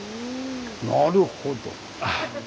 なるほど！